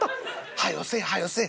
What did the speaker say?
「はよせいはよせい」。